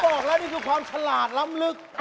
บอกแล้วนี่คือความฉลาดล้ำลึก